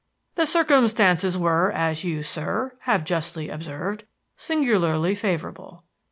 "The circumstances were, as you, sir, have justly observed, singularly favorable.